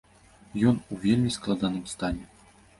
Ён у вельмі складаным стане.